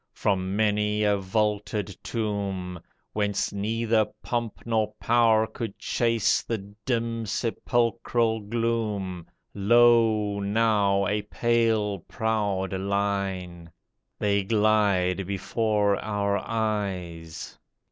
From many a vaulted tomb. Whence neither pomp nor power could chase The dim, sepulchral gloom, Lo, now, a pale, proud line. They glide before our eyes